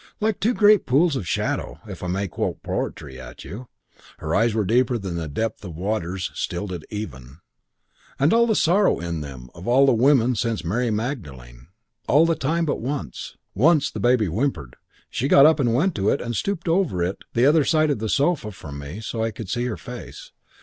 Like two great pools in a shadow. If I may quote poetry, at you, Her eyes were deeper than the depth Of waters stilled at even. And all the sorrow in them of all the women since Mary Magdalen. All the time but once. Once the baby whimpered, and she got up and went to it and stooped over it the other side of the sofa from me, so I could see her face.